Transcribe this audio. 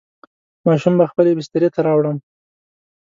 ماشوم به خپلې بسترې ته راوړم.